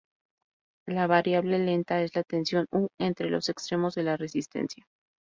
La variable lenta es la tensión U entre los extremos de la resistencia.